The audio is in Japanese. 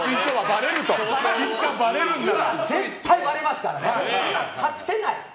絶対ばれますからね。隠せない。